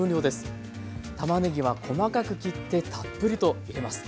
たまねぎは細かく切ってたっぷりと入れます。